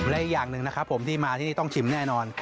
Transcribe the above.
และอีกอย่างหนึ่งนะครับผมที่มาที่นี่ต้องชิมแน่นอน